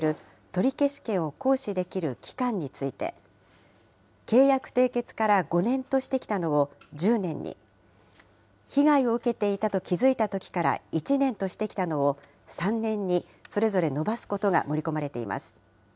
取消権を行使できる期間について、契約締結から５年としてきたのを１０年に、被害を受けていたと気付いたときから１年としてきたのを３年に、それぞれ延ばすことが盛り込まれています。